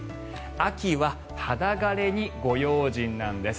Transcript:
秋は肌枯れにご用心なんです。